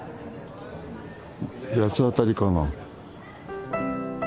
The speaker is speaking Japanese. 八つ当たりかな？